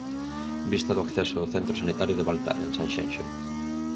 Vista do acceso ao centro sanitario de Baltar, en Sanxenxo.